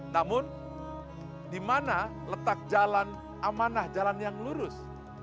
namun di mana letak jalan amanah jalan yang lurus